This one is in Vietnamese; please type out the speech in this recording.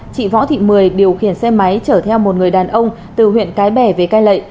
chị võ thị mười điều khiển xe máy chở theo một người đàn ông từ huyện cái bè về cai lệ